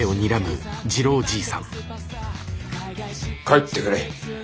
帰ってくれ。